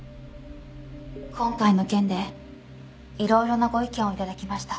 今回の件でいろいろなご意見を頂きました。